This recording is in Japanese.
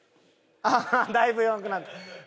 ああだいぶよくなった。